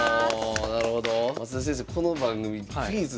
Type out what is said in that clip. なるほど。